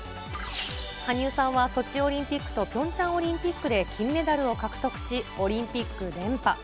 羽生さんはソチオリンピックとピョンチャンオリンピックで金メダルを獲得し、オリンピック連覇。